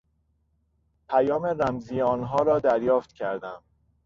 پیام رمزی آنها را دریافت کردم.